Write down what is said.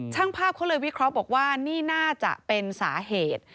ช่างภาพบอกว่านี่น่าจะเป็นสาเหตุ